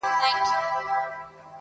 په کړوپه ملا به ورسره ناڅم -